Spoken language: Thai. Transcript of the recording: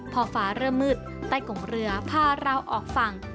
พอฟ้าเริ่มมืดใต้กงเรือพาเราออกฝั่ง